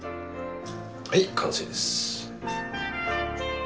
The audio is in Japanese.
はい完成です。